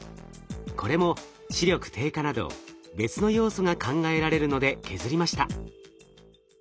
これも視力低下など別の要素が考えられるので削りました。